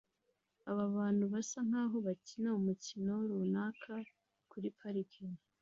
Aba bantu basa nkaho bakina umukino runaka kuri parike